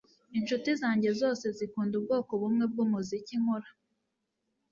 inshuti zanjye zose zikunda ubwoko bumwe bwumuziki nkora